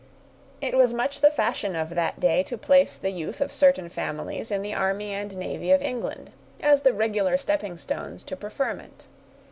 It was much the fashion of that day to place the youth of certain families in the army and navy of England, as the regular stepping stones to preferment.